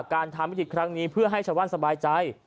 การทำวิธีครั้งนี้เพื่อให้ชาวบ้านสบายใจ